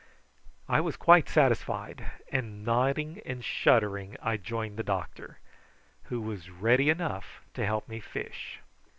I was quite satisfied, and nodding and shuddering I joined the doctor, who was ready enough to help me fish.